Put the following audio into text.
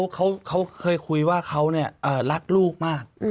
เขาเคยคุยว่าเขารักลูกมาก